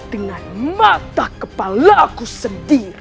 dengan mata kepala aku sedih